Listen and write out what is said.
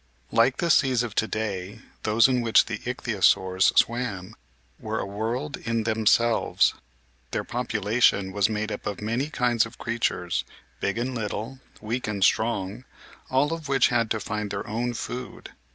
Like the seas of to day, those in which the Ich thyosaurs swam were a world in themselves. Their population was made up of many kinds of creatures, big and little, weak and strong, all of which had to find their own food.